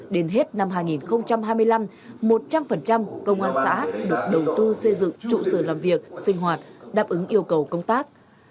đến hết năm hai nghìn hai mươi năm một trăm linh công an xã được đầu tư xây dựng trụ sở làm việc sinh hoạt đáp ứng yêu cầu công tác